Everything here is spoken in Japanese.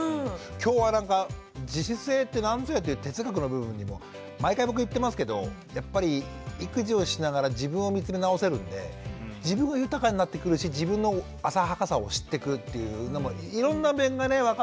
今日はなんか自主性ってなんぞやって哲学の部分にも。毎回僕言ってますけどやっぱり育児をしながら自分を見つめ直せるんで自分が豊かになってくるし自分の浅はかさを知ってくっていうのもいろんな面がね分かって。